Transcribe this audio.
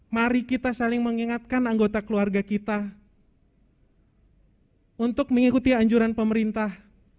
mari kita saling mengingatkan anggota keluarga kita untuk mengikuti anjuran pemerintah